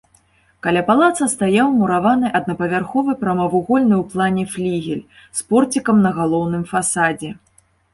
Каля палаца стаяў мураваны аднапавярховы прамавугольны ў плане флігель з порцікам на галоўным фасадзе.